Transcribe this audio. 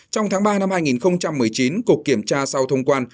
trong tháng ba năm hai nghìn một mươi chín cục kiểm tra sau thông quan